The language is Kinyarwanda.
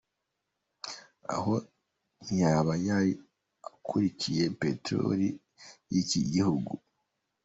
Aho ntiyaba yari akurikiye peteroli y’iki gihugu ?.